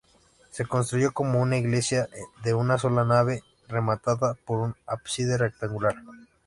Se construyó como una iglesia de una sola nave, rematada por un ábside rectangular.